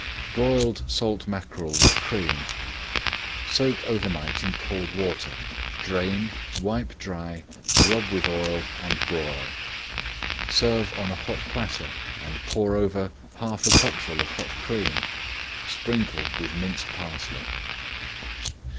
BROILED SALT MACKEREL WITH CREAM Soak over night in cold water, drain, wipe dry, rub with oil, and broil. Serve on a hot platter and pour over half a cupful of hot cream. Sprinkle with minced parsley.